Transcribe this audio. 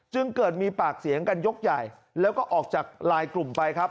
จึงเกิดมีปากเสียงกันยกใหญ่แล้วก็ออกจากลายกลุ่มไปครับ